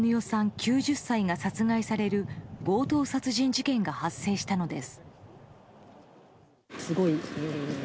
９０歳が殺害される強盗殺人事件が発生したのです。